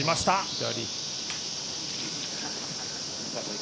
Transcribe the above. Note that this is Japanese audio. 左。